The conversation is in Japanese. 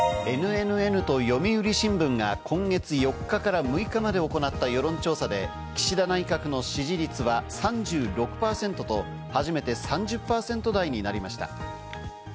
ＮＮＮと読売新聞が今月４日から６日まで行った世論調査で、岸田内閣の支持率は３６％と初めて３０％台になりました。